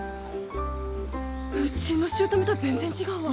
うちの姑とは全然違うわ。